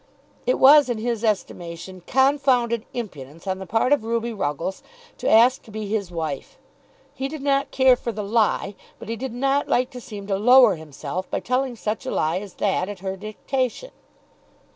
It was in his estimation "confounded impudence" on the part of Ruby Ruggles to ask to be his wife. He did not care for the lie, but he did not like to seem to lower himself by telling such a lie as that at her dictation.